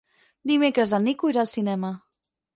Dimecres en Nico irà al cinema.